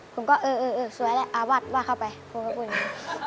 ผมก็เออเออสวยแล้วอาวัดว่าเข้าไปผมก็พูดอย่างนี้